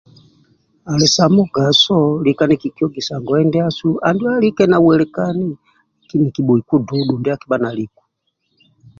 Ali sa mugaso lika nikikiogisa ngoye ndiasu andu alike nawelikani nikibhoiku ddudhu ndia akibha naliku.